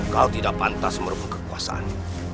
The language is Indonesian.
kau tidak pantas merupuk kekuasaan